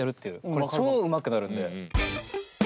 これ超うまくなるんで。